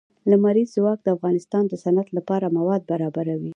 لمریز ځواک د افغانستان د صنعت لپاره مواد برابروي.